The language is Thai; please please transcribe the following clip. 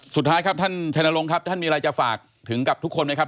สุดท้ายครับท่านชัยนรงค์ครับท่านมีอะไรจะฝากถึงกับทุกคนไหมครับ